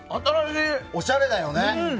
おしゃれだよね。